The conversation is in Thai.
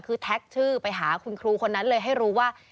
คือแท็กชื่อไปหาคุณครูคนนั้นเลยให้รู้ว่า